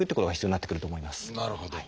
なるほど。